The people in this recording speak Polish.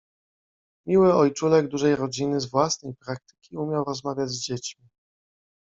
Miły ojczulek Dużej Rodziny z własnej praktyki umiał rozmawiać z dziećmi.